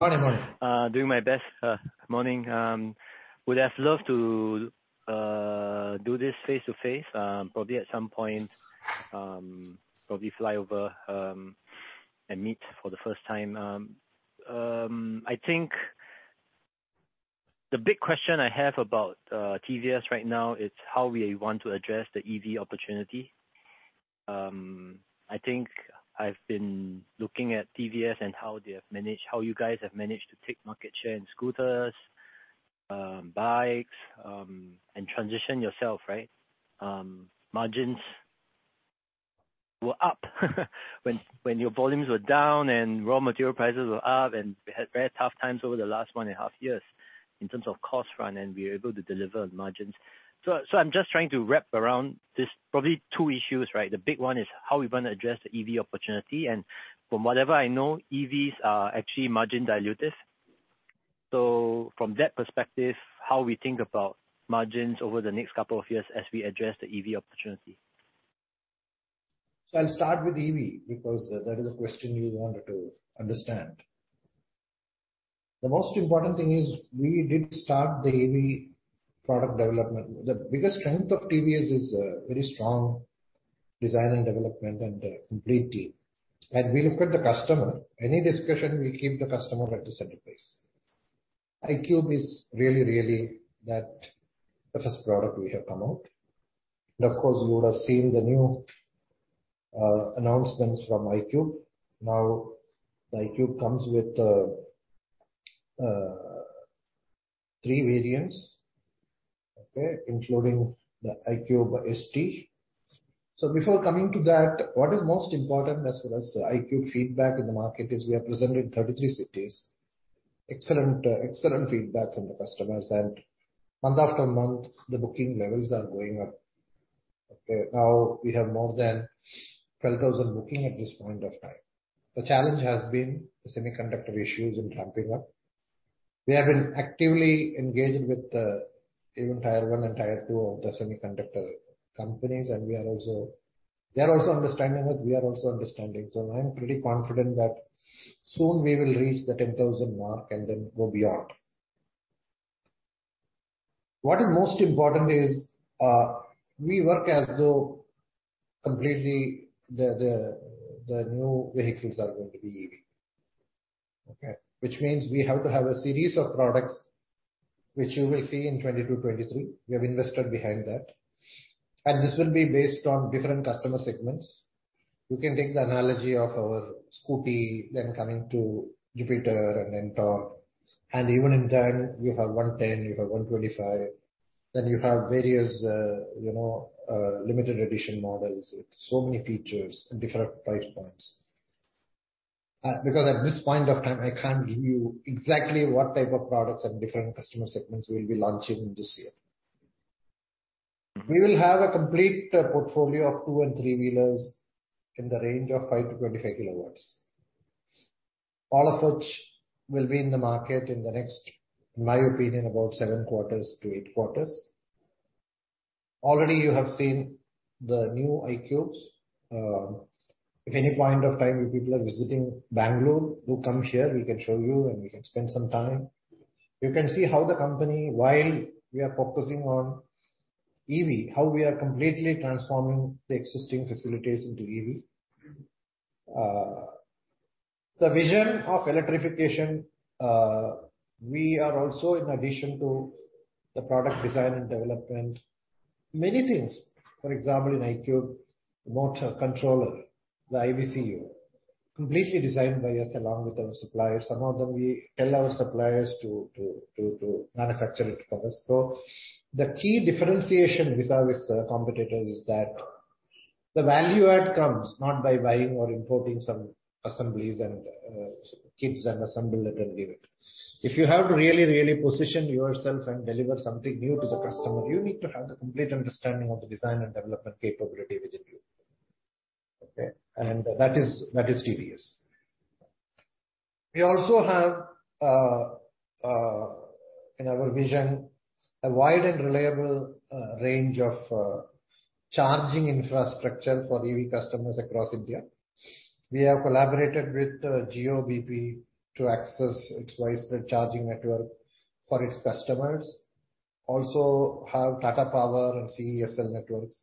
Morning. Doing my best. Morning. Would have loved to do this face-to-face, probably at some point, probably fly over and meet for the first time. I think the big question I have about TVS right now is how we want to address the EV opportunity. I think I've been looking at TVS and how you guys have managed to take market share in scooters, bikes, and transition yourself, right? Margins were up when your volumes were down and raw material prices were up, and we had very tough times over the last one and a half years in terms of cost run, and we were able to deliver margins. I'm just trying to wrap around this probably two issues, right? The big one is how we're gonna address the EV opportunity. From whatever I know, EVs are actually margin dilutive. From that perspective, how we think about margins over the next couple of years as we address the EV opportunity. I'll start with EV, because that is a question you wanted to understand. The most important thing is we did start the EV product development. The biggest strength of TVS is very strong design and development and a complete team. We look at the customer. Any discussion, we keep the customer at the center place. iQube is really, really that the first product we have come out. Of course, you would have seen the new announcements from iQube. Now, the iQube comes with three variants. Okay? Including the iQube ST. Before coming to that, what is most important as far as iQube feedback in the market is we are present in 33 cities. Excellent, excellent feedback from the customers. Month-after-month, the booking levels are going up. Okay, now we have more than 12,000 bookings at this point of time. The challenge has been the semiconductor issues in ramping up. We have been actively engaged with even tier one and tier two of the semiconductor companies, and we are also. They are also understanding us, we are also understanding. I'm pretty confident that soon we will reach the 10,000 mark and then go beyond. What is most important is we work as though completely the new vehicles are going to be EV. Okay? Which means we have to have a series of products which you will see in 2022, 2023. We have invested behind that. This will be based on different customer segments. You can take the analogy of our Scooty, then coming to Jupiter and NTORQ. Even in time, you have 110, you have 125, then you have various limited edition models with so many features and different price points. Because at this point of time, I can't give you exactly what type of products and different customer segments we'll be launching this year. We will have a complete portfolio of two and three-wheelers in the range of 5-25 kW. All of which will be in the market in the next, in my opinion, about seven to eight quarters. Already you have seen the new iQubes. If at any point in time you people are visiting Bengaluru, do come here, we can show you and we can spend some time. You can see how the company, while we are focusing on EV, how we are completely transforming the existing facilities into EV. The vision of electrification, we are also in addition to the product design and development, many things. For example, in iQube, the motor controller, the IVCU, completely designed by us along with our suppliers. Some of them, we tell our suppliers to manufacture it for us. The key differentiation vis-à-vis competitors is that the value add comes not by buying or importing some assemblies and kits and assemble it and leave it. If you have to really position yourself and deliver something new to the customer, you need to have the complete understanding of the design and development capability within you. Okay? That is TVS. We also have in our vision a wide and reliable range of charging infrastructure for EV customers across India. We have collaborated with Jio-bp to access its widespread charging network for its customers. Also have Tata Power and CESL networks.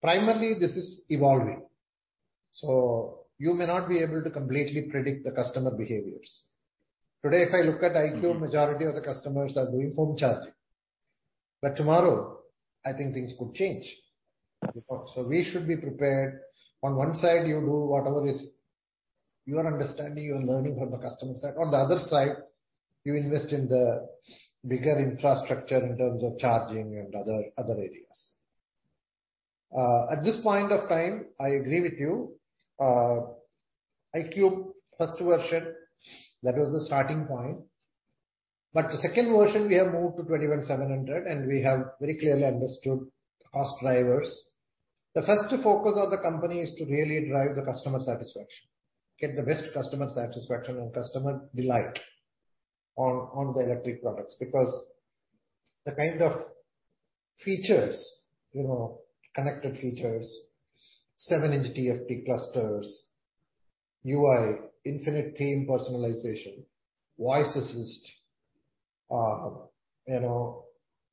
Primarily, this is evolving, so you may not be able to completely predict the customer behaviors. Today, if I look at iQube, majority of the customers are doing home charging. Tomorrow, I think things could change. Mm. We should be prepared. On one side, you do whatever is your understanding, your learning from the customer side. On the other side, you invest in the bigger infrastructure in terms of charging and other areas. At this point of time, I agree with you. iQube first version, that was the starting point. The second version, we have moved to 21700, and we have very clearly understood the cost drivers. The first focus of the company is to really drive the customer satisfaction. Get the best customer satisfaction and customer delight on the electric products, because the kind of features, you know, connected features, 7 in TFT clusters, UI, infinite theme personalization, voice assist, you know,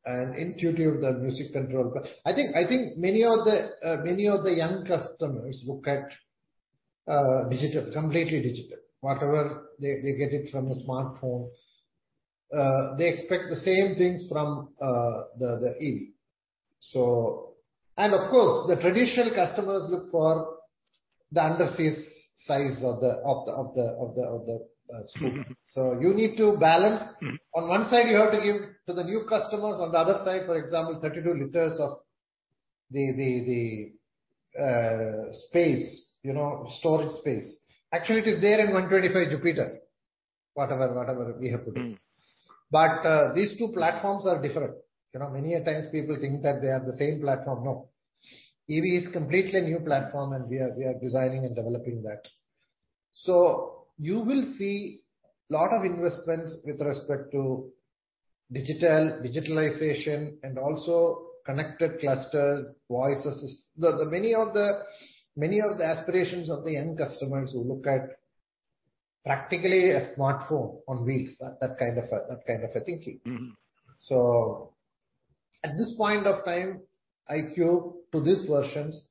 and intuitive the music control. I think many of the young customers look at digital, completely digital. Whatever they get it from the smartphone, they expect the same things from the EV. Of course, the traditional customers look for the under seat size of the scooter. Mm-hmm. You need to balance. Mm-hmm. On one side, you have to give to the new customers. On the other side, for example, 32L of space, you know, storage space. Actually it is there in 125 Jupiter. Whatever we have to do. Mm-hmm. These two platforms are different. You know, many a times people think that they are the same platform. No. EV is completely a new platform and we are designing and developing that. So you will see lot of investments with respect to digital, digitalization and also connected clusters, voice assist. Many of the aspirations of the young customers who look at practically a smartphone on wheels, that kind of a thinking. Mm-hmm. At this point of time, iQube to these versions,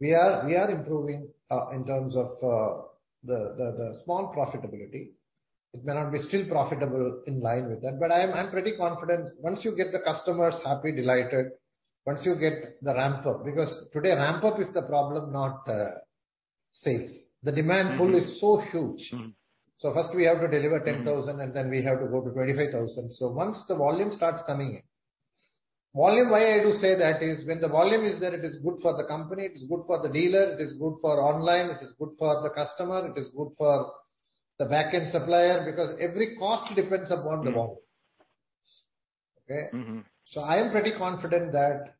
we are improving in terms of the small profitability. It may not be still profitable in line with that, but I'm pretty confident once you get the customers happy, delighted, once you get the ramp up. Because today ramp up is the problem, not sales. The demand. Mm-hmm Pool is so huge. Mm-hmm. First we have to deliver 10,000- Mm-hmm We have to go to 25,000. Once the volume starts coming in. Volume, why I do say that is when the volume is there, it is good for the company, it is good for the dealer, it is good for online, it is good for the customer, it is good for the back-end supplier, because every cost depends upon the volume. Mm-hmm. Okay? Mm-hmm. I am pretty confident that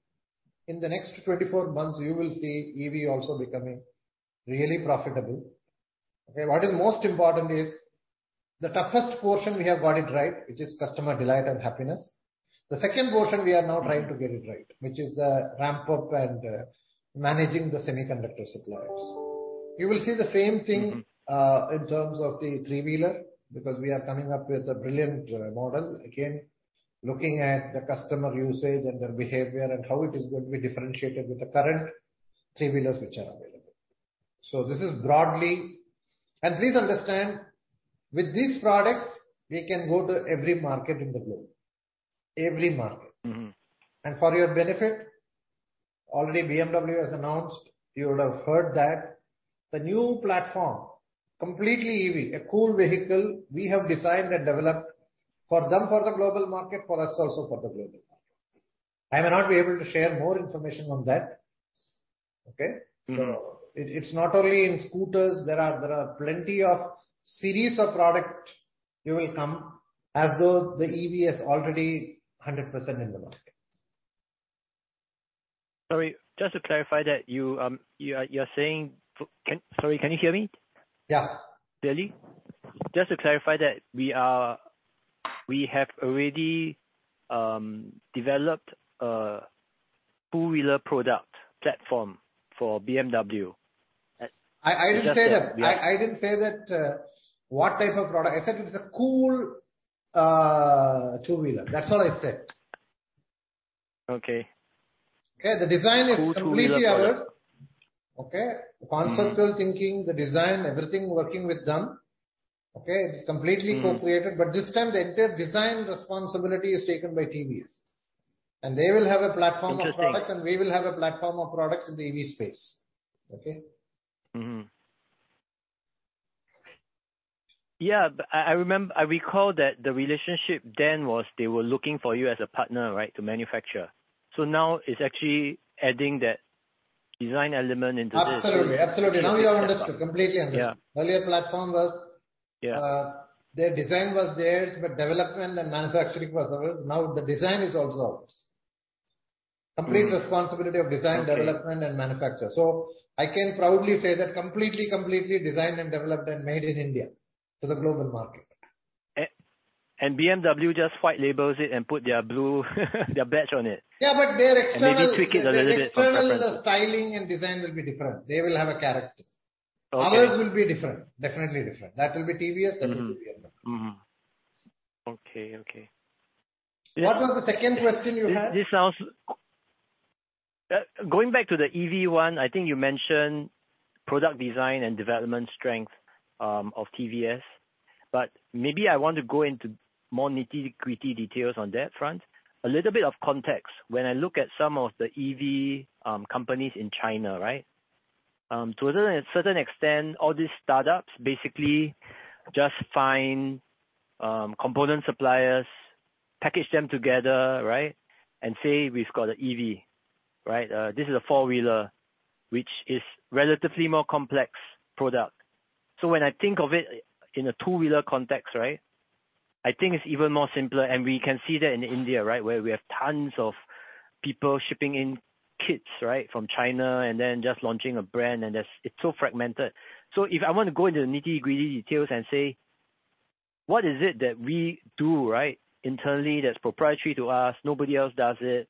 in the next 24 months you will see EV also becoming really profitable. Okay? What is most important is the toughest portion we have got it right, which is customer delight and happiness. The second portion we are now trying to get it right, which is the ramp up and managing the semiconductor supplies. You will see the same thing. Mm-hmm In terms of the three-wheeler, because we are coming up with a brilliant model. Again, looking at the customer usage and their behavior and how it is going to be differentiated with the current three-wheelers which are available. This is broadly. Please understand, with these products we can go to every market in the globe. Every market. Mm-hmm. For your benefit, already BMW has announced, you would have heard that the new platform, completely EV, a cool vehicle, we have designed and developed for them, for the global market, for us also for the global market. I may not be able to share more information on that. Okay. Mm-hmm. It's not only in scooters. There are plenty of series of product we will come up with as though the EV is already 100% in the market. Sorry, just to clarify that you are saying. Sorry, can you hear me? Yeah. Clearly? Just to clarify that we are, we have already, developed a two-wheeler product platform for BMW as- I didn't say that. Yeah. I didn't say that, what type of product. I said it is a cool, two-wheeler. That's all I said. Okay. Okay? The design is completely ours. 2 two-wheeler products. Okay? Mm-hmm. The conceptual thinking, the design, everything working with them, okay? Mm-hmm. It's completely co-created. This time the entire design responsibility is taken by TVS. They will have a platform of products- Interesting We will have a platform of products in the EV space. Okay? Yeah. I recall that the relationship then was they were looking for you as a partner, right, to manufacture. Now it's actually adding that design element into this. Absolutely. Absolutely. Okay. Now you have understood. Completely understood. Yeah. Earlier platform was. Yeah Their design was theirs, but development and manufacturing was ours. Now the design is also ours. Mm-hmm. Complete responsibility of design, Okay development, and manufacture. I can proudly say that completely designed and developed and made in India for the global market. BMW just white-labels it and puts their blue badge on it. Yeah, but their external. They did tweak it a little bit for preference. Their external, the styling and design will be different. They will have a character. Okay. Ours will be different. Definitely different. That will be TVS, that will be BMW. Mm-hmm. Okay. What was the second question you had? Going back to the EV one, I think you mentioned product design and development strength of TVS, but maybe I want to go into more nitty-gritty details on that front. A little bit of context. When I look at some of the EV companies in China, right? To a certain extent, all these startups basically just find component suppliers, package them together, right? And say, "We've got an EV." Right? This is a four-wheeler which is relatively more complex product. When I think of it in a two-wheeler context, right? I think it's even more simpler, and we can see that in India, right? Where we have tons of people shipping in kits, right? From China, and then just launching a brand, and that's. It's so fragmented. If I wanna go into the nitty-gritty details and say, what is it that we do, right, internally that's proprietary to us, nobody else does it,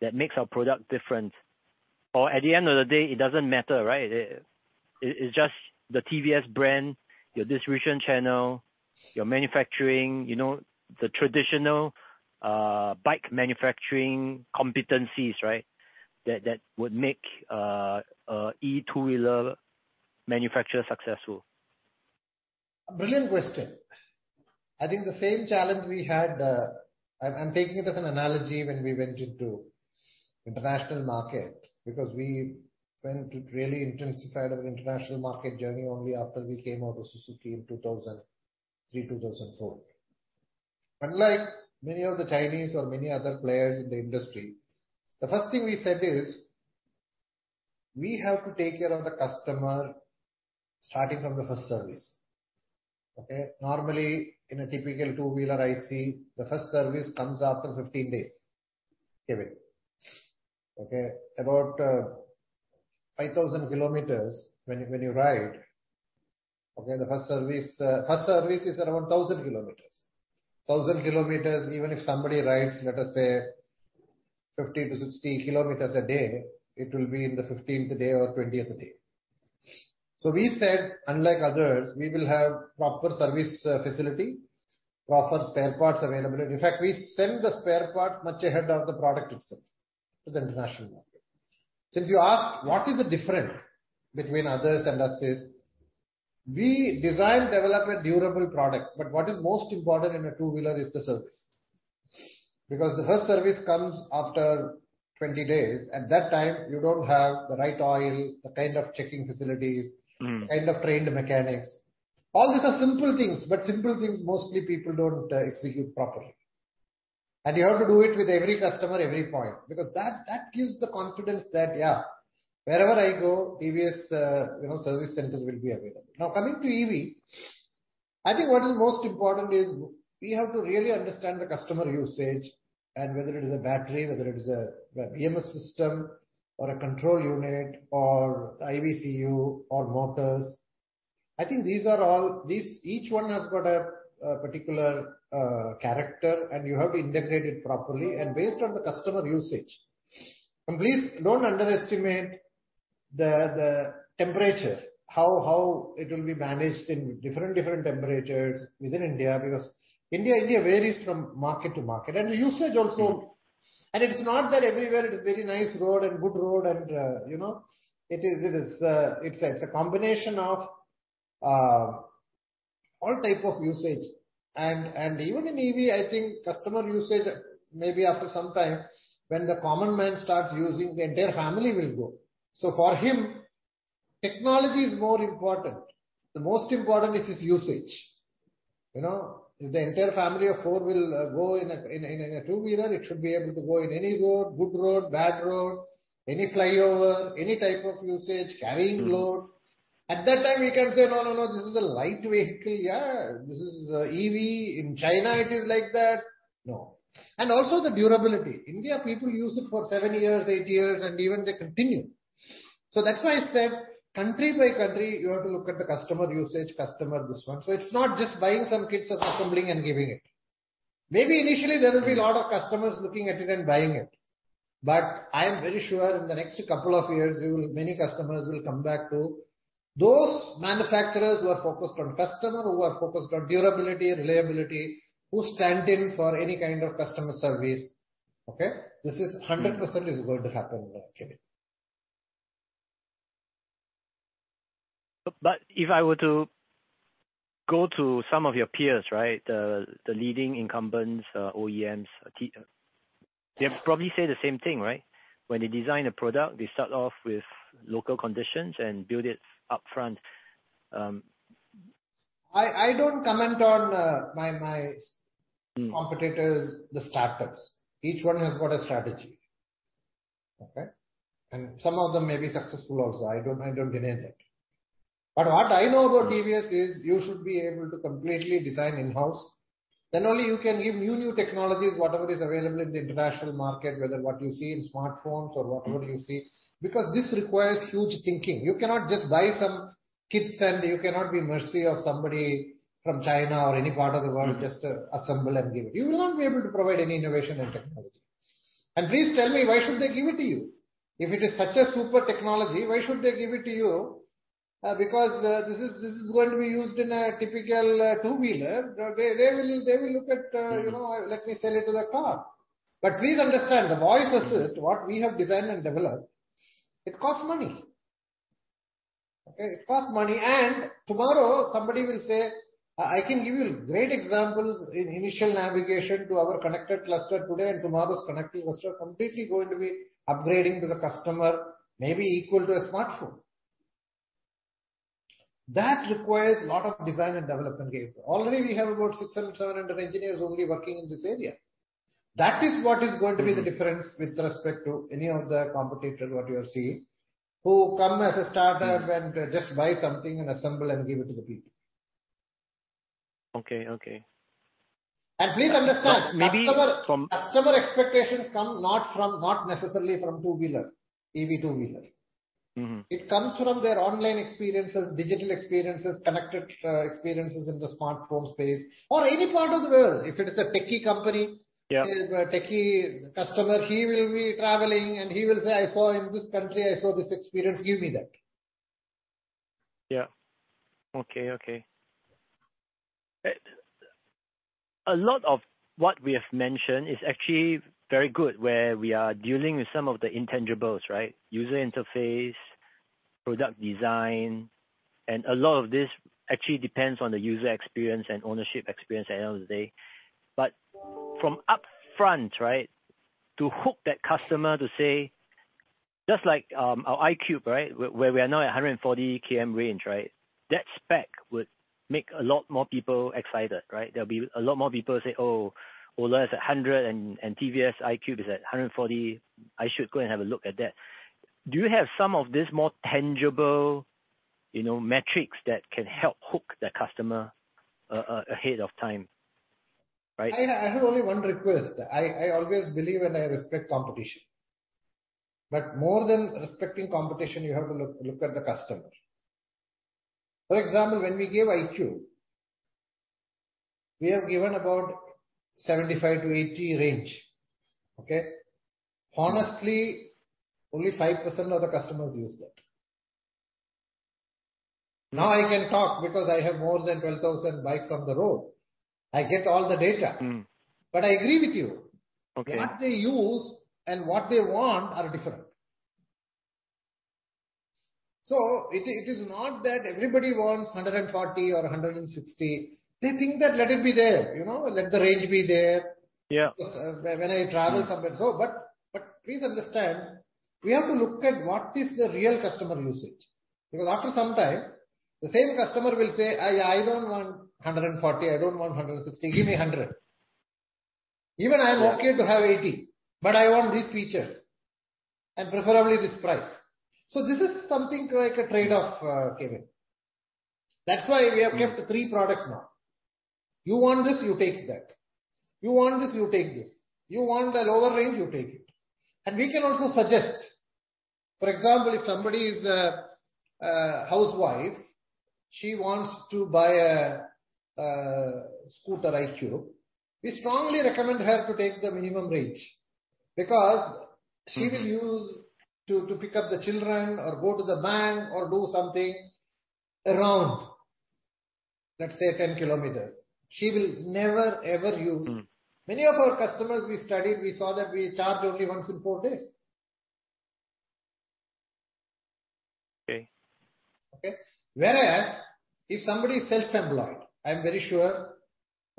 that makes our product different? At the end of the day, it doesn't matter, right? It is just the TVS brand, your distribution channel, your manufacturing, you know, the traditional, bike manufacturing competencies, right, that would make, a e-two-wheeler manufacturer successful. A brilliant question. I think the same challenge we had. I'm taking it as an analogy when we went into international market. It really intensified our international market journey only after we came out of Suzuki in 2003, 2004. Unlike many of the Chinese or many other players in the industry, the first thing we said is, "We have to take care of the customer starting from the first service." Okay? Normally, in a typical two-wheeler I see the first service comes after 15 days, give it. Okay? About 5,000 km when you ride, okay, the first service is around 1,000 km. 1,000 km, even if somebody rides, let us say 50-60 km a day, it will be in the 15th day or 20th day. We said, unlike others, we will have proper service, facility, proper spare parts available. In fact, we send the spare parts much ahead of the product itself to the international market. Since you asked what is the difference between others and us is, we design, develop a durable product, but what is most important in a two-wheeler is the service. Because the first service comes after 20 days. At that time, you don't have the right oil, the kind of checking facilities. Mm. Kind of trained mechanics. All these are simple things, but simple things mostly people don't execute properly. You have to do it with every customer, every point, because that gives the confidence that, yeah, wherever I go, TVS, you know, service centers will be available. Now, coming to EV, I think what is most important is we have to really understand the customer usage and whether it is a battery, whether it is a BMS system or a control unit or IVCU or motors. I think these are all. Each one has got a particular character, and you have to integrate it properly and based on the customer usage. Please don't underestimate the temperature. How it will be managed in different temperatures within India, because India varies from market to market. The usage also. It's not that everywhere it is very nice road and good road and, you know. It is. It's a combination of all type of usage. Even in EV, I think customer usage, maybe after some time when the common man starts using, the entire family will go. For him, technology is more important. The most important is his usage, you know. If the entire family of four will go in a two-wheeler, it should be able to go in any road, good road, bad road, any flyover, any type of usage, carrying load. At that time we can say, "No, no, this is a lightweight vehicle. Yeah, this is EV. In China it is like that." No. Also the durability. India, people use it for seven years, eight years, and even they continue. That's why I said country by country you have to look at the customer usage, customer this one. It's not just buying some kits and assembling and giving it. Maybe initially there will be a lot of customers looking at it and buying it, but I am very sure in the next couple of years you will many customers will come back to those manufacturers who are focused on customer, who are focused on durability and reliability, who stand in for any kind of customer service. Okay. This is 100% going to happen actually. If I were to go to some of your peers, right? The leading incumbents, OEMs, they'll probably say the same thing, right? When they design a product, they start off with local conditions and build it upfront. I don't comment on my- Mm. Competitors, the startups. Each one has got a strategy. Okay? Some of them may be successful also. I don't deny that. What I know about TVS is you should be able to completely design in-house. Only you can give new technologies, whatever is available in the international market, whether what you see in smartphones or whatever you see, because this requires huge thinking. You cannot just buy some kits and you cannot be at the mercy of somebody from China or any part of the world, just assemble and give. You will not be able to provide any innovation and technology. Please tell me, why should they give it to you? If it is such a super technology, why should they give it to you? Because this is going to be used in a typical two-wheeler. They will look at, you know, let me sell it to the car. Please understand, the voice assist, what we have designed and developed, it costs money. Okay? It costs money. Tomorrow somebody will say. I can give you great examples in initial navigation to our connected cluster today and tomorrow's connected cluster completely going to be upgrading to the customer may be equal to a smartphone. That requires lot of design and development capability. Already we have about 600, 700 engineers only working in this area. That is what is going to be the difference with respect to any of the competitor what you are seeing, who come as a startup and, just buy something and assemble and give it to the people. Okay, okay. Please understand. Maybe from- Customer expectations come not from, not necessarily from two-wheeler, EV two-wheeler. Mm-hmm. It comes from their online experiences, digital experiences, connected experiences in the smartphone space or any part of the world. If it is a techie company. Yeah. Is a techie customer, he will be traveling, and he will say, "I saw in this country, I saw this experience. Give me that. Yeah. Okay. A lot of what we have mentioned is actually very good, where we are dealing with some of the intangibles, right? User interface, product design, and a lot of this actually depends on the user experience and ownership experience at the end of the day. From upfront, right? To hook that customer to say, just like our iQube, right? Where we are now at 140 km range, right? That spec would make a lot more people excited, right? There'll be a lot more people say, "Oh, Ola is at 100 km and TVS iQube is at 140 km. I should go and have a look at that." Do you have some of this more tangible, you know, metrics that can help hook the customer ahead of time, right? I have only one request. I always believe and I respect competition. More than respecting competition, you have to look at the customer. For example, when we gave iQube, we have given about 75-80 range. Okay? Honestly, only 5% of the customers use that. Now I can talk because I have more than 12,000 bikes on the road. I get all the data. Mm. I agree with you. Okay. What they use and what they want are different. It is not that everybody wants 140 or 160. They think that let it be there, you know, let the range be there. Yeah. When I travel somewhere. Please understand, we have to look at what is the real customer usage. Because after some time, the same customer will say, "I don't want 140. I don't want 160. Give me 100." Even I'm okay to have 80, but I want these features and preferably this price. This is something like a trade-off, Kevin. That's why we have kept three products now. You want this, you take that. You want this, you take this. You want a lower range, you take it. We can also suggest, for example, if somebody is a housewife, she wants to buy a scooter iQube, we strongly recommend her to take the minimum range because she will use to pick up the children or go to the bank or do something around, let's say, 10 km. She will never, ever use Mm. Many of our customers we studied. We saw that we charge only once in four days. Okay. Okay? Whereas if somebody is self-employed, I'm very sure,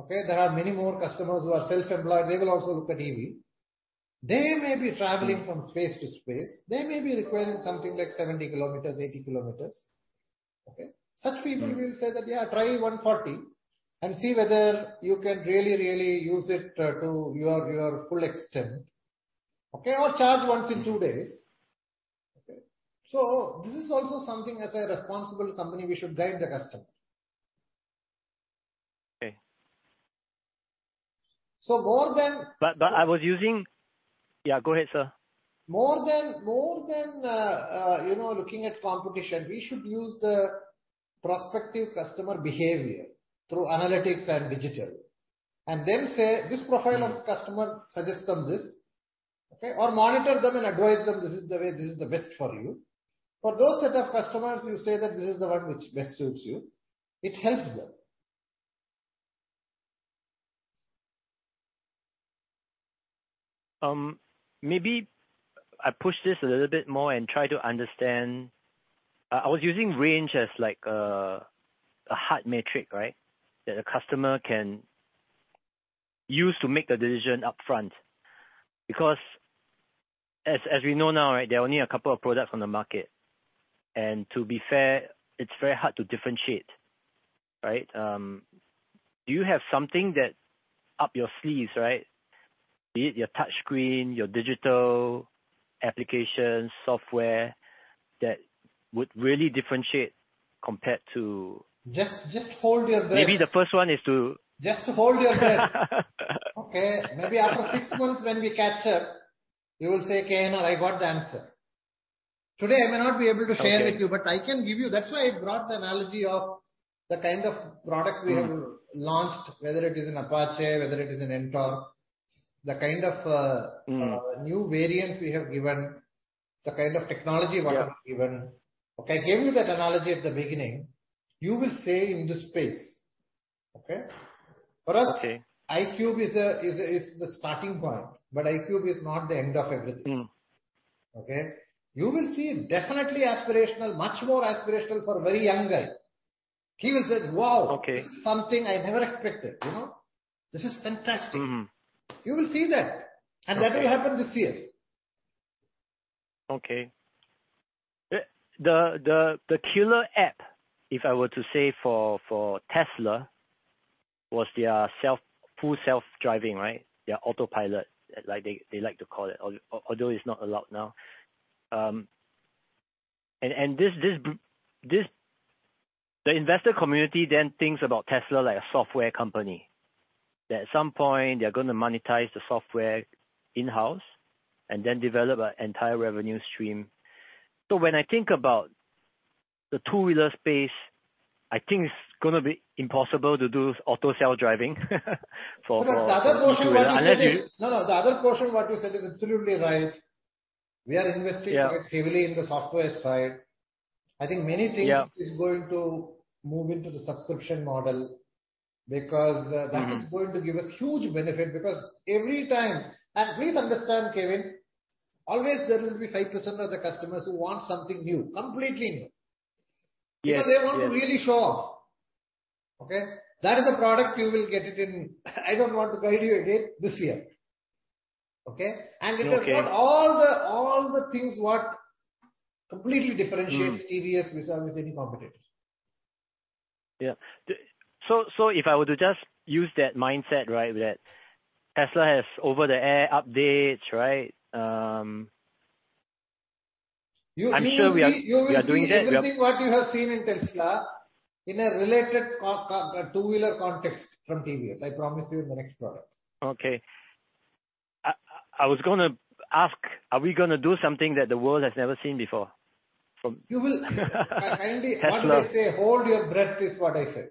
okay, there are many more customers who are self-employed, they will also look at EV. They may be traveling from place to place. They may be requiring something like 70 km, 80 km. Okay? Such people will say that, "Yeah, try 140 and see whether you can really use it to your full extent." Okay? Or charge once in two days. Okay? This is also something as a responsible company, we should guide the customer. Okay. So more than- Yeah, go ahead, sir. More than you know, looking at competition, we should use the prospective customer behavior through analytics and digital, and then say, "This profile of customer suggest them this." Okay? Or monitor them and advise them, "This is the way, this is the best for you." For those set of customers, you say that, "This is the one which best suits you," it helps them. Maybe I push this a little bit more and try to understand. I was using range as like a hard metric, right? That a customer can use to make the decision up front. Because as we know now, right? There are only a couple of products on the market. To be fair, it's very hard to differentiate, right? Do you have something up your sleeve, right? Be it your touchscreen, your digital applications, software that would really differentiate compared to. Just hold your breath. Maybe the first one is to. Just hold your breath. Okay. Maybe after six months when we catch up, you will say, "KN, I got the answer." Today, I may not be able to share Okay. with you, but I can give you. That's why I brought the analogy of the kind of products we have launched, whether it is in Apache, whether it is in NTORQ. The kind of, Mm. New variants we have given, the kind of technology. Yeah. We have given. Okay, I gave you that analogy at the beginning. You will say in the space. Okay? Okay. For us, iQube is the starting point, but iQube is not the end of everything. Mm. Okay? You will see definitely aspirational, much more aspirational for a very young guy. He will say, "Wow. Okay. This is something I never expected." You know? "This is fantastic. Mm-hmm. You will see that. Okay. That will happen this year. Okay. The killer app, if I were to say for Tesla, was their full self-driving, right? Their autopilot, like, they like to call it, although it's not allowed now. The investor community then thinks about Tesla like a software company, that at some point they are gonna monetize the software in-house and then develop an entire revenue stream. When I think about the two-wheeler space, I think it's gonna be impossible to do autonomous driving for... No, no, the other portion of what you said is. Unless you- No, no. The other portion what you said is absolutely right. We are investing. Yeah. Heavily in the software side. I think many things. Yeah. is going to move into the subscription model because Mm-hmm. That is going to give us huge benefit because every time. Please understand, Kevin, always there will be 5% of the customers who want something new, completely new. Yes. Yes. You know, they want to really show off, okay? That is the product you will get it in. I don't want to guide you again this year. Okay? Okay. It has got all the things what completely differentiates- Mm. -TVS vis-à-vis any competitors. Yeah. If I were to just use that mindset, right, that Tesla has over the air updates, right? You will be. I'm sure we are doing that. You will see exactly what you have seen in Tesla in a related two-wheeler context from TVS. I promise you in the next product. Okay. I was gonna ask, are we gonna do something that the world has never seen before from Tesla? Kindly, what do they say? Hold your breath, is what I said.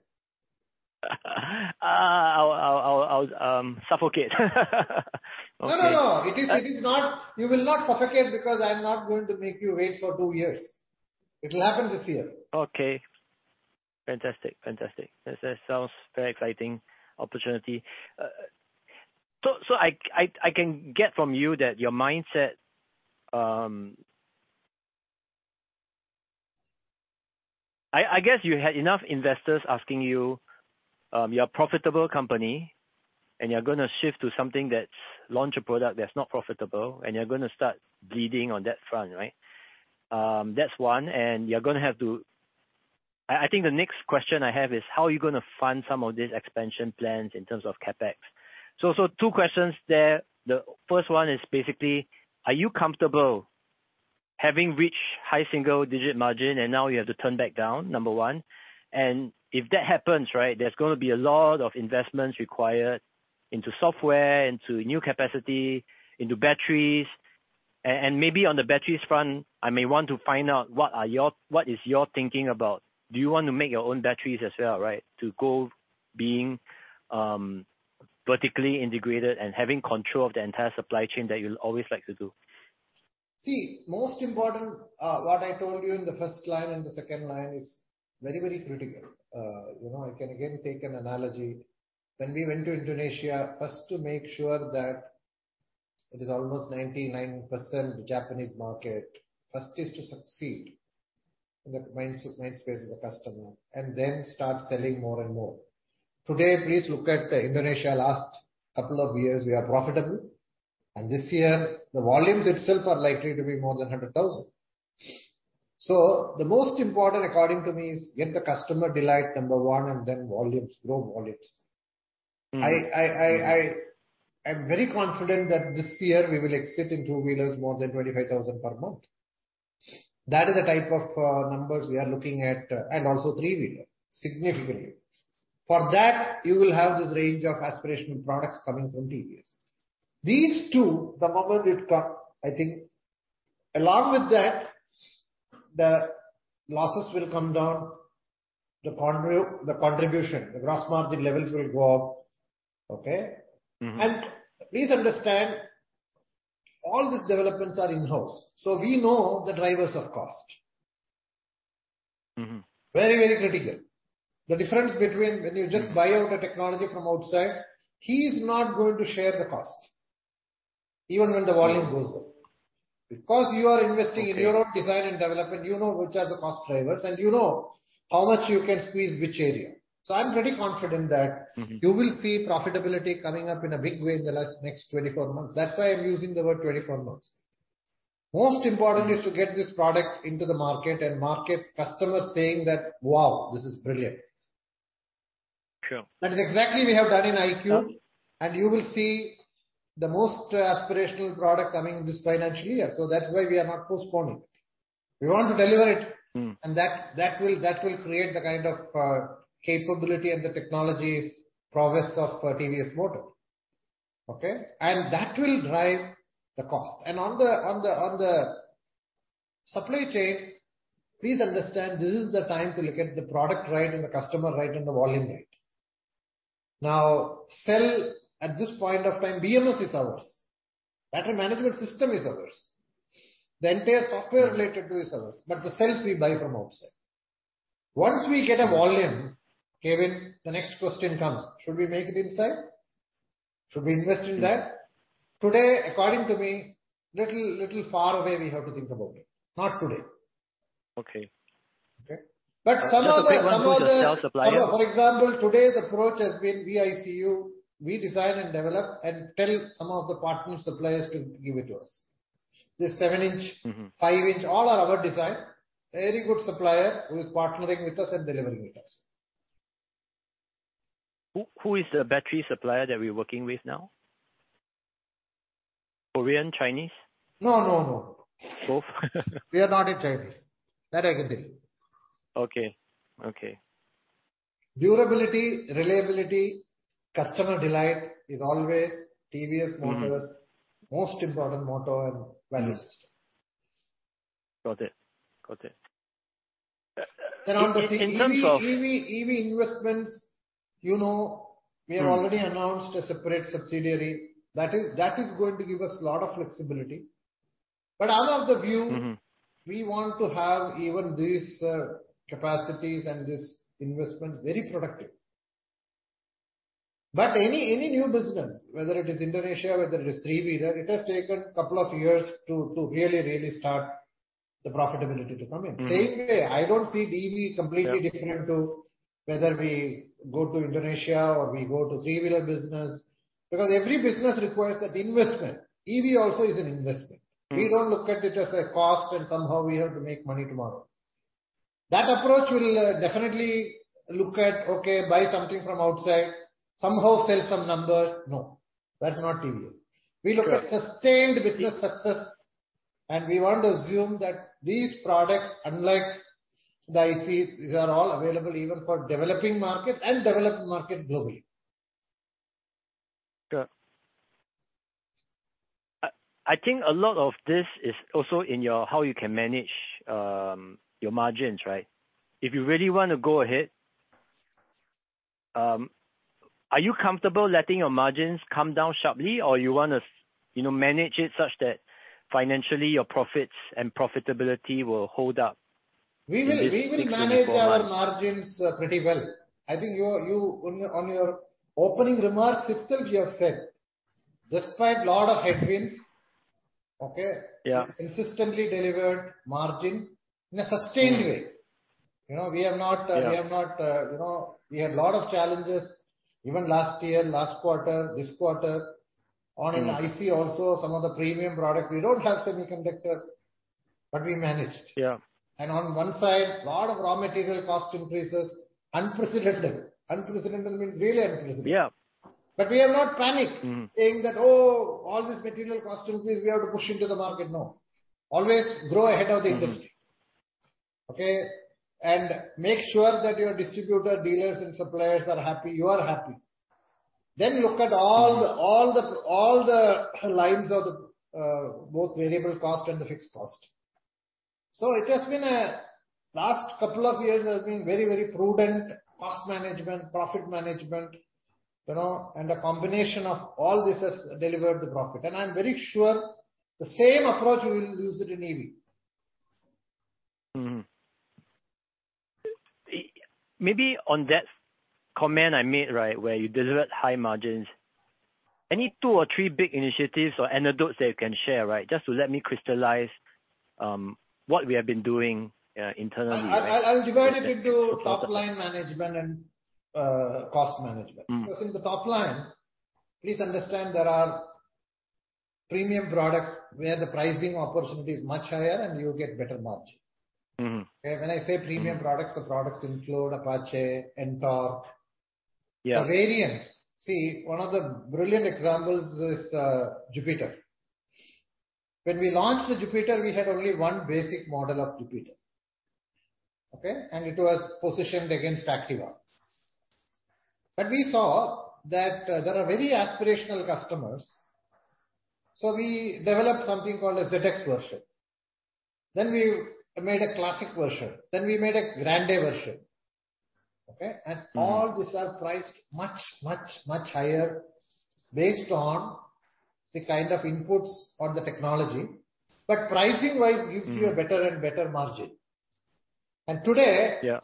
I'll suffocate. Okay. No, no. It is not. You will not suffocate because I'm not going to make you wait for two years. It'll happen this year. Okay. Fantastic. That sounds very exciting opportunity. I can get from you that your mindset. I guess you had enough investors asking you're a profitable company and you're gonna shift to something that's to launch a product that's not profitable, and you're gonna start bleeding on that front, right? That's one. I think the next question I have is, how are you gonna fund some of these expansion plans in terms of CapEx? Two questions there. The first one is basically, are you comfortable having reached high single-digit % margin and now you have to turn back down? Number one. If that happens, right, there's gonna be a lot of investments required into software, into new capacity, into batteries. Maybe on the batteries front, I may want to find out what are your, what is your thinking about do you want to make your own batteries as well, right? To go being vertically integrated and having control of the entire supply chain that you always like to do. See, most important, what I told you in the first line and the second line is very, very critical. You know, I can again take an analogy. When we went to Indonesia, first to make sure that it is almost 99% Japanese market. First is to succeed in the mindspace of the customer and then start selling more and more. Today, please look at Indonesia last couple of years, we are profitable. This year the volumes itself are likely to be more than 100,000. The most important according to me is get the customer delight, number one, and then volumes, grow volumes. Mm-hmm. I'm very confident that this year we will exit in two-wheelers more than 25,000 per month. That is the type of numbers we are looking at, and also three-wheeler, significantly. For that, you will have this range of aspirational products coming from TVS. These two, the moment it come, I think along with that, the losses will come down, the contribution, the gross margin levels will go up. Okay? Mm-hmm. Please understand, all these developments are in-house, so we know the drivers of cost. Mm-hmm. Very, very critical. The difference between when you just buy out a technology from outside, he's not going to share the cost even when the volume goes up. Because you are investing in your own design and development, you know which are the cost drivers and you know how much you can squeeze which area. I'm pretty confident that. Mm-hmm. You will see profitability coming up in a big way in the next 24 months. That's why I'm using the word 24 months. Most important is to get this product into the market and have market customers saying that, "Wow, this is brilliant. Sure. That is exactly what we have done in iQube. Yeah. You will see the most aspirational product coming this financial year. That's why we are not postponing. We want to deliver it. Mm. That will create the kind of capability and the technology's progress of TVS Motor. Okay. That will drive the cost. On the supply chain, please understand this is the time to look at the product right and the customer right and the volume right. Now, cells at this point of time, BMS is ours. Battery Management System is ours. The entire software related to is ours, but the cells we buy from outside. Once we get a volume, Kevin, the next question comes. Should we make it inside? Should we invest in that? Mm. Today, according to me, little far away we have to think about it. Not today. Okay. Okay? Some of the. Is it a big one with the cell supplier? Some of the, for example, today's approach has been we IVCU, we design and develop and tell some of the partner suppliers to give it to us. The 7 in- Mm-hmm. 5 in, all are our design. Very good supplier who is partnering with us and delivering with us. Who is the battery supplier that we're working with now? Korean? Chinese? No, no. Both? We are not in China. That I can tell you. Okay. Okay. Durability, reliability, customer delight is always TVS Motors' most important motto and values. Got it. Got it. On the EV. In terms of. EV investments, you know, we have already announced a separate subsidiary. That is going to give us a lot of flexibility. But I'm of the view. Mm-hmm. We want to have even these capacities and these investments very productive. Any new business, whether it is Indonesia, whether it is three-wheeler, it has taken a couple of years to really start the profitability to come in. Mm-hmm. Same way, I don't see EV completely different to whether we go to Indonesia or we go to three-wheeler business, because every business requires that investment. EV also is an investment. Mm-hmm. We don't look at it as a cost and somehow we have to make money tomorrow. That approach will definitely look at, okay, buy something from outside, somehow sell some numbers. No, that's not TVS. Right. We look at sustained business success, and we want to assume that these products, unlike the ICEs, these are all available even for developing market and developed market globally. Sure. I think a lot of this is also in your how you can manage your margins, right? If you really wanna go ahead, are you comfortable letting your margins come down sharply or you wanna, you know, manage it such that financially your profits and profitability will hold up? We will manage our margins pretty well. I think you on your opening remarks itself you have said despite lot of headwinds, okay. Yeah. Consistently delivered margin in a sustained way. You know, we have not you know, we had a lot of challenges even last year, last quarter, this quarter. Mm-hmm. On an IC, also some of the premium products, we don't have semiconductor, but we managed. Yeah. On one side, lot of raw material cost increases, unprecedented. Unprecedented means really unprecedented. Yeah. We have not panicked. Mm-hmm. Saying that, "Oh, all this material cost increase, we have to push into the market." No. Always grow ahead of the industry. Mm-hmm. Okay? Make sure that your distributor, dealers and suppliers are happy, you are happy. Look at all the lines of the both variable cost and the fixed cost. It has been a last couple of years has been very prudent cost management, profit management, you know, and a combination of all this has delivered the profit. I'm very sure the same approach we will use it in EV. Mm-hmm. Maybe on that comment I made, right, where you delivered high margins, any two or three big initiatives or anecdotes that you can share, right, just to let me crystallize what we have been doing internally, right? I'll divide it into top-line management and cost management. Mm-hmm. Because in the top line, please understand there are premium products where the pricing opportunity is much higher and you get better margin. Mm-hmm. When I say premium products, the products include Apache, NTORQ. Yeah. The variants. See, one of the brilliant examples is, Jupiter. When we launched the Jupiter, we had only one basic model of Jupiter. Okay? It was positioned against Activa. We saw that there are very aspirational customers. We developed something called a ZX version. We made a classic version, then we made a Grande version. Okay? Mm-hmm. All these are priced much, much, much higher based on the kind of inputs or the technology, but pricing-wise gives you a better and better margin. Today- Yeah.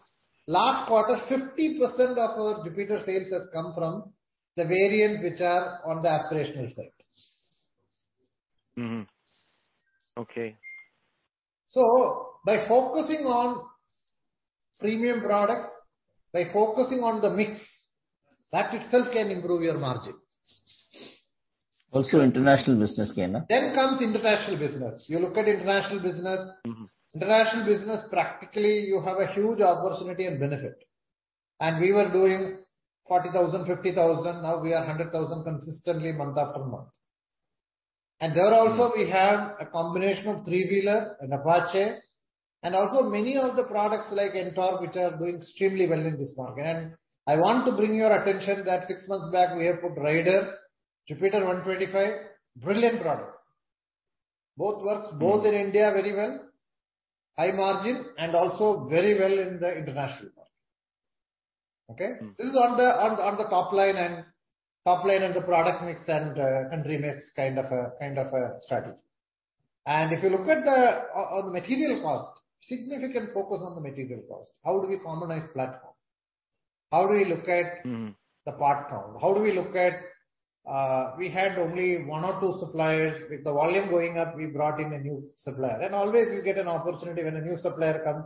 Last quarter, 50% of our Jupiter sales has come from the variants which are on the aspirational side. Mm-hmm. Okay. By focusing on premium products, by focusing on the mix, that itself can improve your margins. Also International Business came, huh? Comes International Business. You look at International Business. Mm-hmm. International Business, practically you have a huge opportunity and benefit. We were doing 40,000, 50,000, now we are 100,000 consistently month after month. There also we have a combination of three-wheeler and Apache, and also many of the products like NTORQ, which are doing extremely well in this market. I want to bring your attention that six months back we have put Raider, Jupiter 125, brilliant products. Both works both in India very well, high margin, and also very well in the international market. Okay? Mm-hmm. This is on the top line and the product mix and country mix kind of a strategy. If you look at the material cost, significant focus on the material cost. How do we harmonize platform? How do we look at Mm-hmm. The part count? How do we look at, we had only one or two suppliers. With the volume going up, we brought in a new supplier. Always you get an opportunity when a new supplier comes,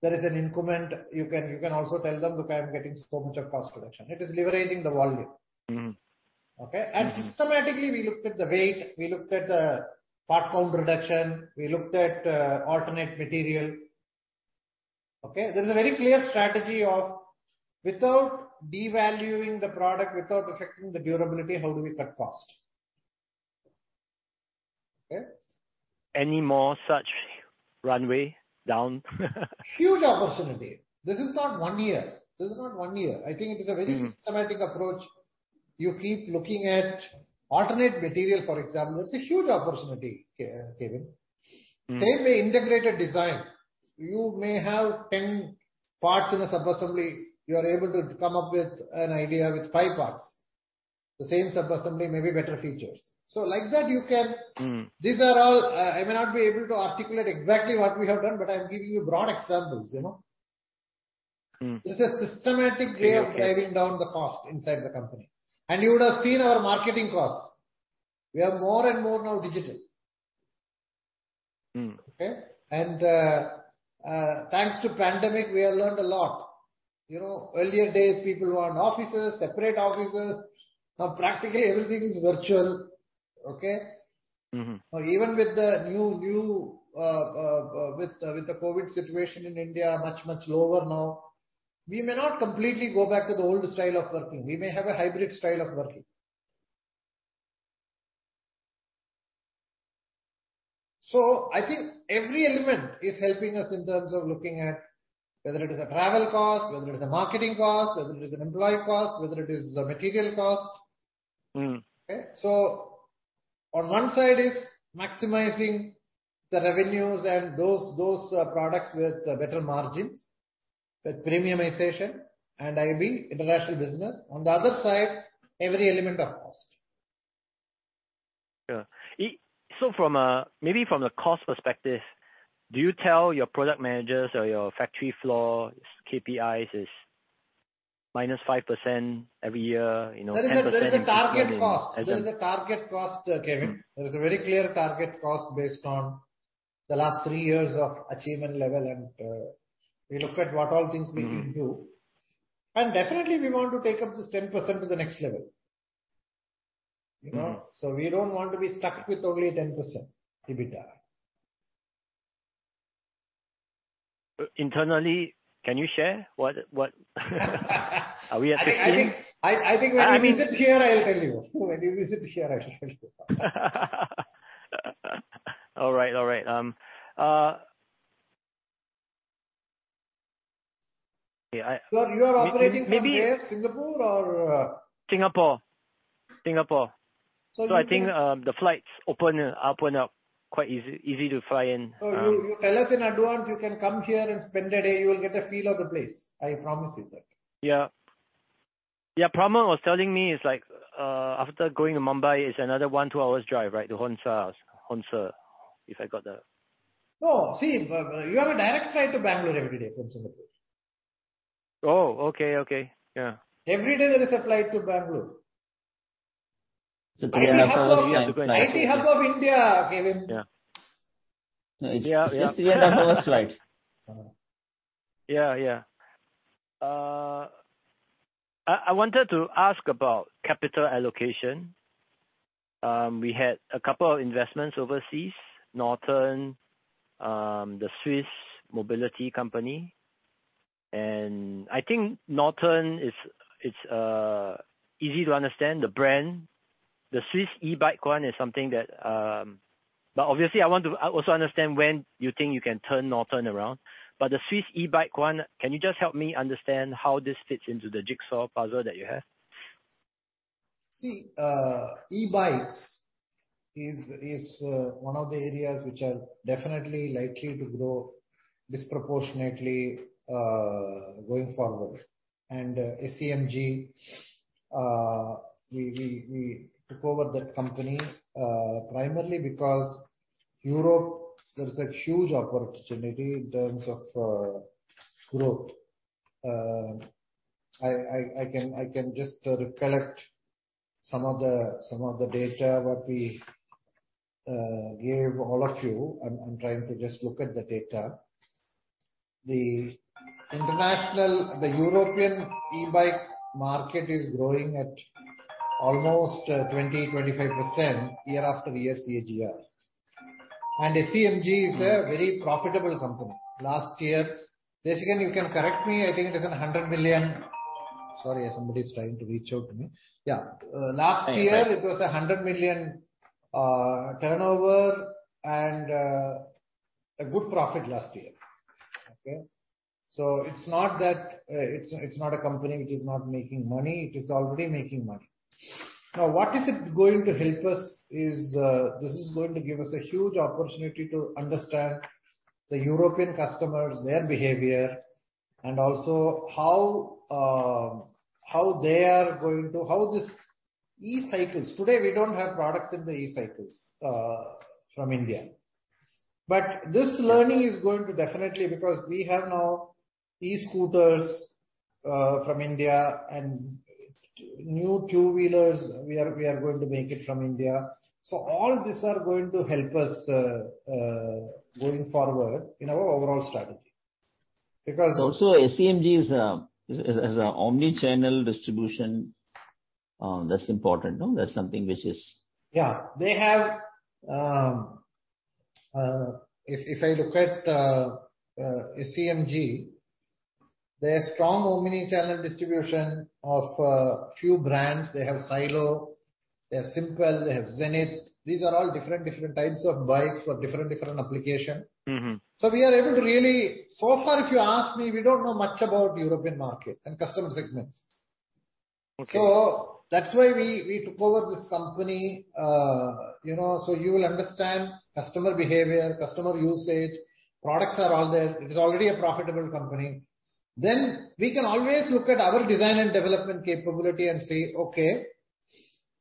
there is an increment. You can also tell them, "Look, I'm getting so much of cost reduction." It is leveraging the volume. Mm-hmm. Okay? Systematically, we looked at the weight, we looked at the part count reduction, we looked at alternate material. Okay. There's a very clear strategy of without devaluing the product, without affecting the durability, how do we cut cost? Okay. Any more such runway down? Huge opportunity. This is not one year. I think it is a very- Mm. Systematic approach. You keep looking at alternate material, for example. It's a huge opportunity, Kevin. Mm. Same way, integrated design. You may have 10 parts in a subassembly. You are able to come up with an idea with five parts. The same subassembly, maybe better features. Like that you can. Mm. These are all. I may not be able to articulate exactly what we have done, but I'm giving you broad examples, you know. Mm. This is a systematic way. Okay. of driving down the cost inside the company. You would have seen our marketing costs. We are more and more now digital. Mm. Okay? Thanks to pandemic, we have learned a lot. You know, earlier days people want offices, separate offices. Now practically everything is virtual. Okay? Mm-hmm. Even with the COVID situation in India much lower now, we may not completely go back to the old style of working. We may have a hybrid style of working. I think every element is helping us in terms of looking at whether it is a travel cost, whether it is a marketing cost, whether it is an employee cost, whether it is a material cost. Mm. Okay? On one side is maximizing the revenues and those products with better margins, with premiumization and IB, international business. On the other side, every element of cost. From a cost perspective, do you tell your product managers or your factory floor KPIs is minus 5% every year, you know, 10%? There is a target cost, Kevin. Mm. There is a very clear target cost based on the last three years of achievement level, and we look at what all things we can do. Mm. Definitely we want to take up this 10% to the next level, you know. Mm. We don't want to be stuck with only 10% EBITDA. Internally, can you share what are we at the team? I think when you visit here, I shall tell you. All right. Yeah. You are operating from there. May-maybe- Singapore or? Singapore. So you can- I think the flights open up quite easy to fly in. You tell us in advance, you can come here and spend a day. You will get a feel of the place. I promise you that. Yeah. Yeah, Pramod was telling me it's like, after going to Mumbai, it's another one to two hours drive, right? To Hosur, if I got that. No. See, you have a direct flight to Bangalore every day from Singapore. Oh, okay. Okay. Yeah. Every day there is a flight to Bangalore. 3.5 hours flight. IT hub of India, Kevin. Yeah. Yeah. It's just three and a half hours flight. Yeah. Yeah. I wanted to ask about capital allocation. We had a couple of investments overseas, Norton, the Swiss mobility company. I think Norton is, it's easy to understand the brand. The Swiss e-bike one is something that. Obviously I want to also understand when you think you can turn Norton around. The Swiss e-bike one, can you just help me understand how this fits into the jigsaw puzzle that you have? See, e-bikes is one of the areas which are definitely likely to grow disproportionately going forward. SEMG we took over that company primarily because Europe there is a huge opportunity in terms of growth. I can just recollect some of the data what we gave all of you. I'm trying to just look at the data. The European e-bike market is growing at almost 25% year after year, CAGR. SEMG is a very profitable company. Last year, Jaseem, you can correct me, I think it is $100 million. Sorry, somebody's trying to reach out to me. Yeah. Hey. Last year it was $100 million turnover and a good profit last year. Okay? It's not that it's not a company which is not making money. It is already making money. Now, what is it going to help us is this is going to give us a huge opportunity to understand the European customers, their behavior, and also how this e-cycles. Today we don't have products in the e-cycles from India. This learning is going to definitely because we have now e-scooters from India and new two-wheelers we are going to make it from India. All these are going to help us going forward in our overall strategy. Because Also SEMG is a omnichannel distribution. That's important, no? That's something which is- Yeah. If I look at SEMG, they have strong omni-channel distribution of few brands. They have Cilo, they have Simple, they have Zenith. These are all different types of bikes for different application. Mm-hmm. So far, if you ask me, we don't know much about European market and customer segments. Okay. That's why we took over this company. You know, you will understand customer behavior, customer usage, products are all there. It is already a profitable company. We can always look at our design and development capability and say, "Okay,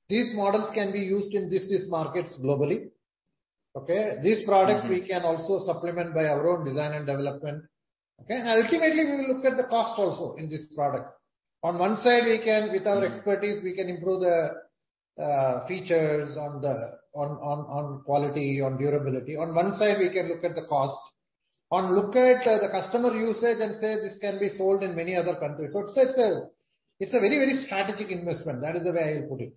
these models can be used in this markets globally." Okay? Mm-hmm. These products we can also supplement by our own design and development. Okay? Ultimately, we will look at the cost also in these products. On one side, we can, with our expertise, improve the features on quality, on durability. On one side, we can look at the cost. Look at the customer usage and say, this can be sold in many other countries. It's a very strategic investment. That is the way I will put it.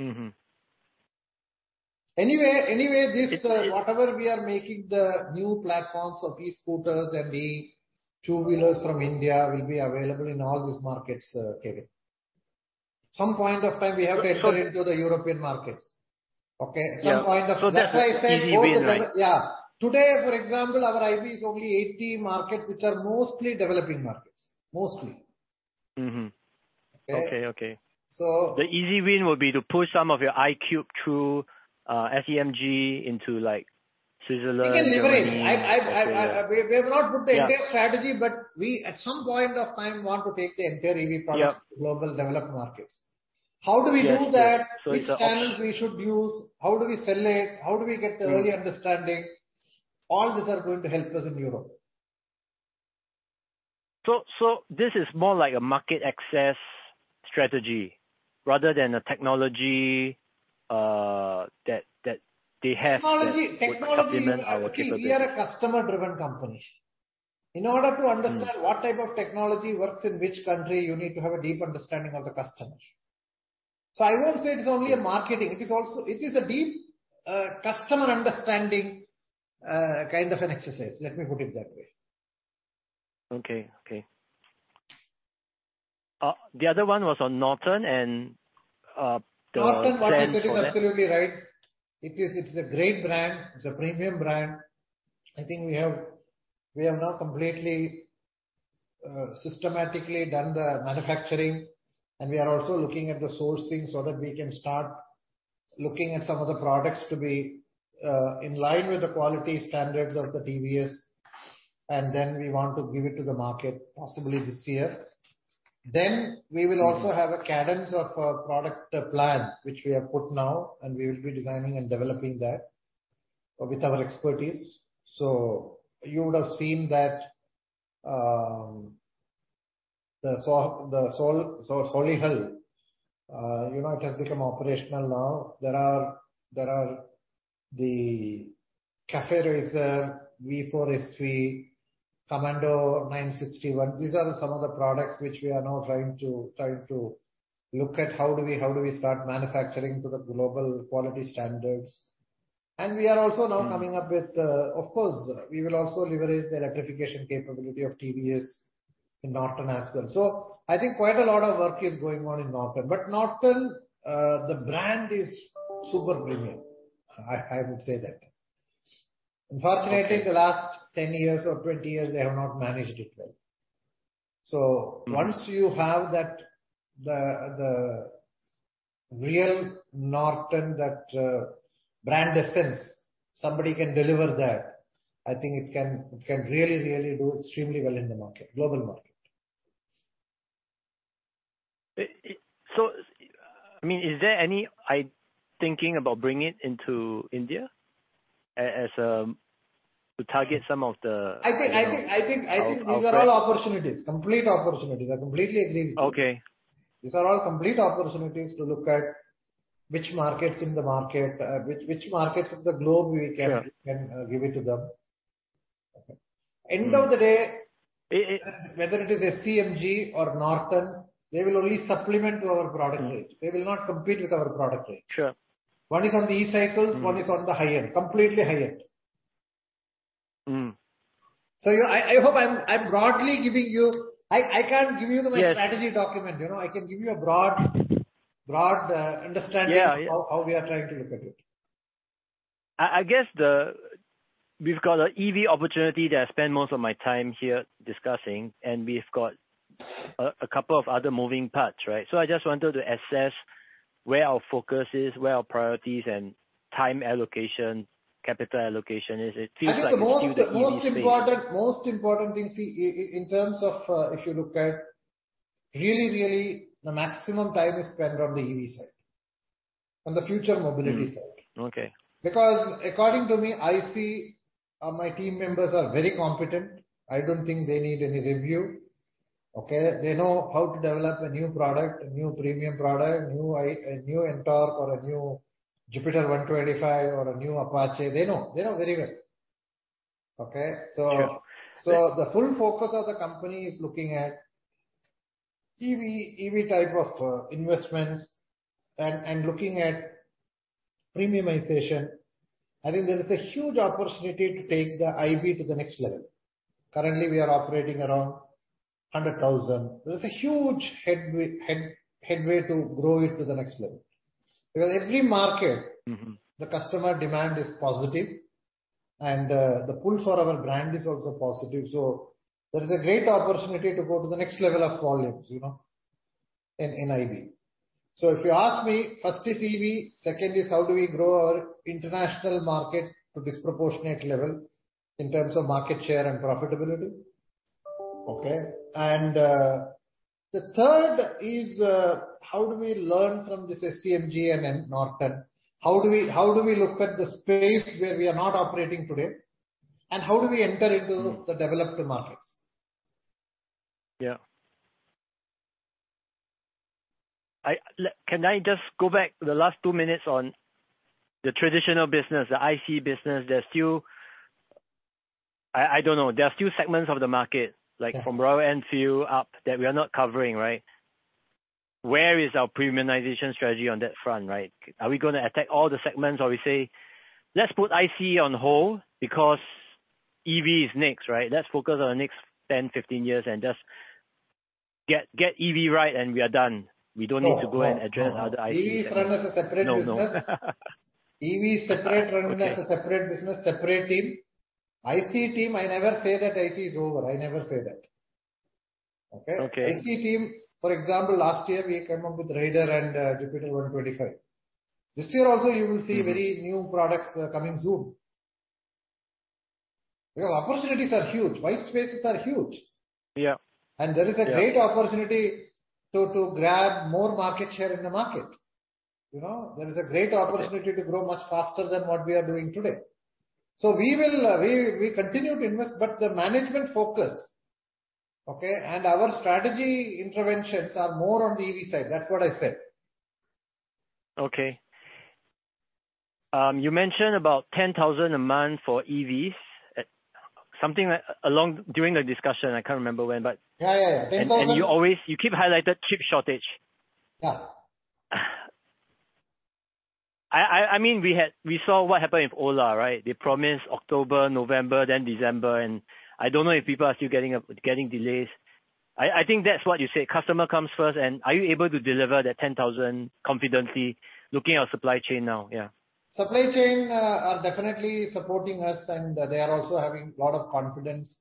Mm-hmm. Anyway, this whatever we are making the new platforms of e-scooters and the two-wheelers from India will be available in all these markets, Kevin. Some point of time we have to enter into the European markets. Okay? Yeah. That's why I said both the. That's an easy win, right? Yeah. Today, for example, our IB is only 80 markets, which are mostly developing markets. Mostly. Mm-hmm. Okay? Okay. Okay. So- The easy win will be to push some of your iQube through SEMG into, like, Switzerland, Germany, Austria. We can leverage. We have not put the entire strategy, but we at some point of time want to take the entire EV products. Yeah to global developed markets. How do we do that? Yeah. It's Which channels we should use? How do we sell it? How do we get the early understanding? All these are going to help us in Europe. This is more like a market access strategy rather than a technology that they have that would supplement our capabilities. See, we are a customer-driven company. In order to understand what type of technology works in which country, you need to have a deep understanding of the customers. I won't say it's only a marketing, it is also. It is a deep customer understanding kind of an exercise. Let me put it that way. The other one was on Norton and the trend for that. Norton brand fitting absolutely right. It is. It's a great brand. It's a premium brand. I think we have now completely systematically done the manufacturing, and we are also looking at the sourcing so that we can start looking at some of the products to be in line with the quality standards of the TVS. We want to give it to the market possibly this year. We will also have a cadence of product plan, which we have put now, and we will be designing and developing that with our expertise. You would have seen that the Solihull, you know, it has become operational now. There are the Cafe Racer, V4SV, Commando 961. These are some of the products which we are now trying to look at how do we start manufacturing to the global quality standards. Of course, we will also leverage the electrification capability of TVS in Norton as well. I think quite a lot of work is going on in Norton. Norton, the brand is super premium. I would say that. Unfortunately, the last 10 years or 20 years, they have not managed it well. Once you have that, the real Norton, that brand essence, somebody can deliver that, I think it can really do extremely well in the market, global market. I mean, is there any thinking about bringing it into India as to target some of the, you know, our? I think these are all opportunities, complete opportunities. I completely agree with you. Okay. These are all complete opportunities to look at which markets of the globe we can. Yeah Can give it to them. Okay. End of the day. I-I- Whether it is SEMG or Norton, they will only supplement to our product range. They will not compete with our product range. Sure. One is on the e-cycles, one is on the high-end, completely high-end. Mm-hmm. I hope I'm broadly giving you. I can't give you my strategy document, you know? I can give you a broad understanding. Yeah, yeah. of how we are trying to look at it. I guess we've got an EV opportunity that I spend most of my time here discussing, and we've got a couple of other moving parts, right? I just wanted to assess where our focus is, where our priorities and time allocation, capital allocation is. It feels like it's due to the EV space. I think the most important thing, see, in terms of if you look at really the maximum time is spent on the EV side, on the future mobility side. Mm-hmm. Okay. Because according to me, I see, my team members are very competent. I don't think they need any review. Okay. They know how to develop a new product, a new premium product, a new NTORQ or a new Jupiter 125 or a new Apache. They know very well. The full focus of the company is looking at EV type of investments and looking at premiumization. I think there is a huge opportunity to take the EV to the next level. Currently, we are operating around 100,000. There is a huge headway to grow it to the next level. Because every market- Mm-hmm. The customer demand is positive and the pull for our brand is also positive. There is a great opportunity to go to the next level of volumes, you know, in EV. If you ask me, first is EV, second is how do we grow our international market to disproportionate level in terms of market share and profitability. Okay? The third is how do we learn from this SEMG and then Norton? How do we look at the space where we are not operating today and how do we enter into the developed markets? Yeah. Can I just go back the last two minutes on the traditional business, the ICE business. There are still. I don't know. There are still segments of the market, like from Royal Enfield up, that we are not covering, right? Where is our premiumization strategy on that front, right? Are we gonna attack all the segments or we say, "Let's put ICE on hold because EV is next, right? Let's focus on the next 10, 15 years and just get EV right and we are done. We don't need to go and address other ICE. No, no. No, no. EV is run as a separate business. EV is separate, run as a separate business, separate team. ICE team, I never say that ICE is over. I never say that. Okay? Okay. ICE team, for example, last year we came up with Raider and Jupiter 125. This year also you will see very new products coming soon. Because opportunities are huge. White spaces are huge. Yeah. There is a great opportunity to grab more market share in the market. You know, there is a great opportunity to grow much faster than what we are doing today. We will continue to invest, but the management focus, okay, and our strategy interventions are more on the EV side. That's what I said. Okay. You mentioned about 10,000 a month for EVs at something along during the discussion. I can't remember when. Yeah, yeah. 10,000- You keep highlighting chip shortage. Yeah. I mean, we saw what happened with Ola, right? They promised October, November, then December, and I don't know if people are still getting up, getting delays. I think that's what you said, customer comes first. Are you able to deliver that 10,000 confidently looking at supply chain now? Yeah. Supply chain are definitely supporting us, and they are also having lot of confidence.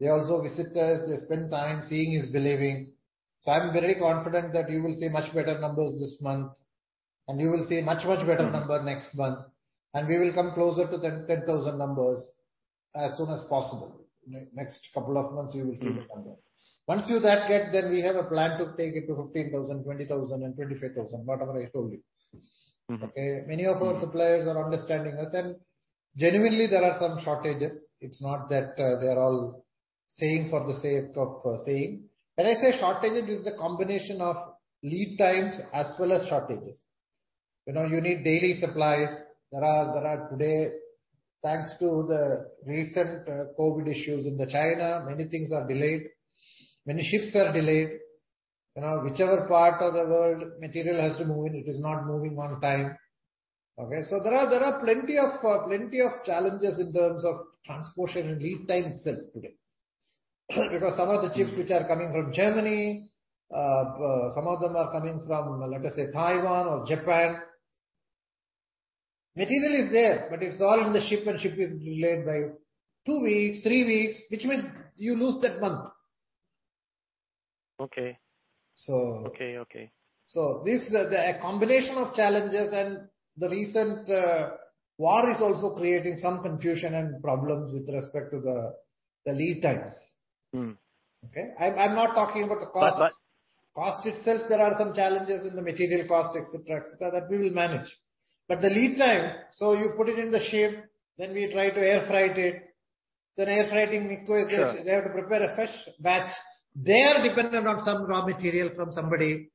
They also visit us. They spend time. Seeing is believing. I'm very confident that you will see much better numbers this month, and you will see much, much better number next month. We will come closer to that 10,000 numbers as soon as possible. Next couple of months, you will see the number. Once you get that, then we have a plan to take it to 15,000, 20,000 and 25,000. Whatever I told you. Mm-hmm. Okay? Many of our suppliers are understanding us, and genuinely there are some shortages. It's not that, they're all saying for the sake of saying. When I say shortages, it's the combination of lead times as well as shortages. You know, you need daily supplies. There are today, thanks to the recent COVID issues in China, many things are delayed, many ships are delayed. You know, whichever part of the world material has to move in, it is not moving on time. Okay? There are plenty of challenges in terms of transportation and lead time itself today. Because some of the chips which are coming from Germany, some of them are coming from, let us say, Taiwan or Japan. Material is there, but it's all in the ship, and ship is delayed by two weeks, three weeks, which means you lose that month. Okay. So- Okay, okay. The combination of challenges and the recent war is also creating some confusion and problems with respect to the lead times. Mm. Okay? I'm not talking about the costs. But, but- Cost itself, there are some challenges in the material cost, et cetera, et cetera, that we will manage. The lead time, so you put it in the ship, then we try to air freight it. Air freighting requires. Sure. They have to prepare a fresh batch. They are dependent on some raw material from somebody.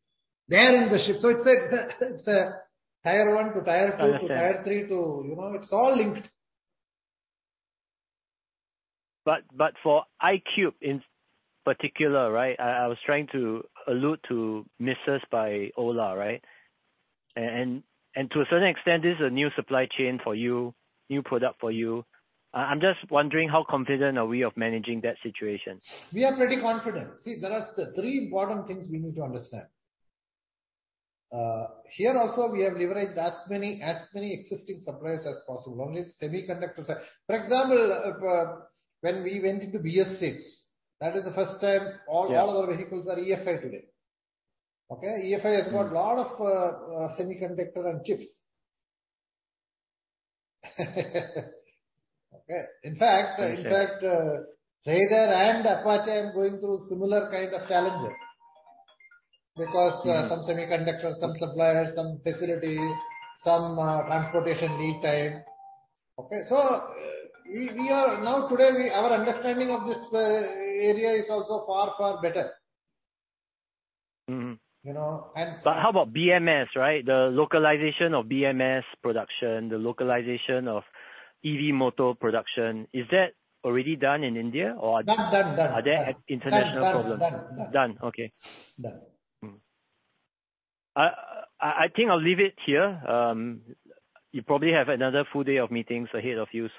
They are in the shit. It's a tier one to tier two. Understand. You know? It's all linked. for iQube in particular, right? I was trying to allude to misses by Ola, right? to a certain extent, this is a new supply chain for you, new product for you. I'm just wondering how confident are we of managing that situation? We are pretty confident. See, there are the three important things we need to understand. Here also, we have leveraged as many existing suppliers as possible. Only semiconductors are. For example, when we went into BS6, that is the first time- Yeah. All our vehicles are EFI today. EFI has got lot of semiconductor and chips. In fact, Raider and Apache are going through similar kind of challenges because some semiconductors, some suppliers, some facilities, some transportation lead time. Our understanding of this area is also far better. Mm-hmm. You know. How about BMS, right? The localization of BMS production, the localization of EV motor production. Is that already done in India or- Done. Are there international problems? Done. Done. Okay. Done. I think I'll leave it here. You probably have another full day of meetings ahead of you.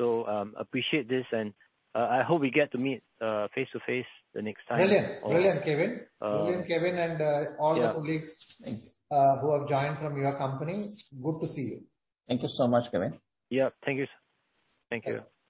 Appreciate this, and I hope we get to meet face-to-face the next time. Brilliant. Brilliant, Kevin. Uh- Brilliant, Kevin and. Yeah. All the colleagues who have joined from your company. Good to see you. Thank you so much, Kevin. Yeah. Thank you, sir. Thank you.